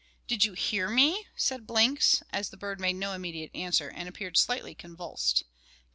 "Did you hear me?" said Blinks, as the bird made no immediate answer and appeared slightly convulsed.